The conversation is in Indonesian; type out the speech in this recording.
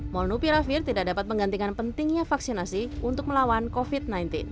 molnupiravir tidak dapat menggantikan pentingnya vaksinasi untuk melawan covid sembilan belas